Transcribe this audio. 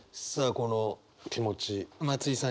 この気持ち松居さん